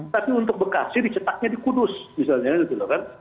tapi untuk bekasi dicetaknya di kudus misalnya gitu loh kan